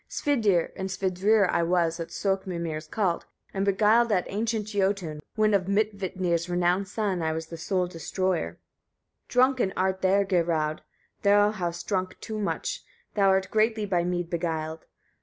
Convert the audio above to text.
50. Svidur and Svidrir I was at Sökkmimir's called, and beguiled that ancient Jötun, when of Midvitnir's renowned son I was the sole destroyer. 51. Drunken art thou, Geirröd, thou hast drunk too much, thou art greatly by mead beguiled.